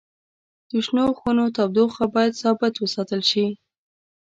د شنو خونو تودوخه باید ثابت وساتل شي.